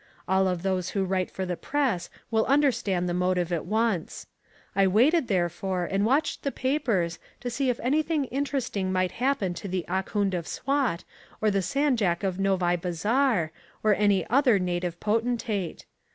All of those who write for the Press will understand the motive at once. I waited therefore and watched the papers to see if anything interesting might happen to the Ahkoond of Swat or the Sandjak of Novi Bazar or any other native potentate.